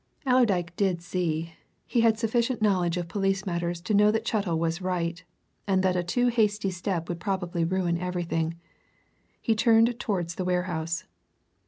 Allerdyke did see. He had sufficient knowledge of police matters to know that Chettle was right, and that a too hasty step would probably ruin everything. He turned towards the warehouse.